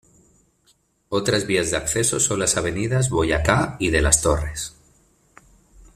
Otras vías de acceso son las avenidas Boyacá y de Las Torres.